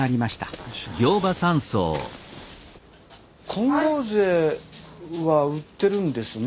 金剛杖は売ってるんですね。